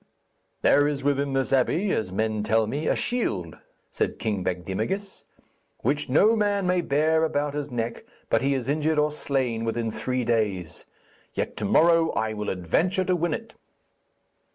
'There is within this abbey, as men tell me, a shield,' said King Bagdemagus, 'which no man may bear about his neck, but he is injured or slain within three days. Yet to morrow I will adventure to win it.'